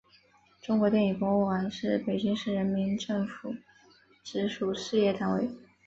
中国电影博物馆是北京市人民政府直属事业单位。